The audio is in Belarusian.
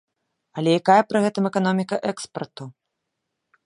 Але якая пры гэтым эканоміка экспарту?